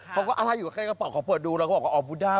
เขาก็เอาไล่อยู่ใกล้กระเป๋าเขาเปิดดูแล้วก็บอกว่า